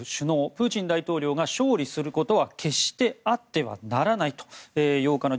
プーチン大統領が勝利することは決してあってはならないと８日のＧ７